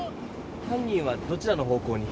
犯人はどちらの方向に？